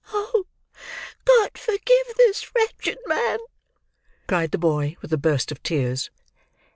"Oh! God forgive this wretched man!" cried the boy with a burst of tears.